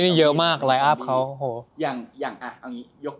แล้วทำไมมันถึงดังวะ